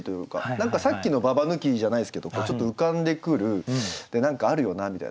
何かさっきのババ抜きじゃないですけどちょっと浮かんでくる何かあるよなみたいな。